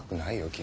君。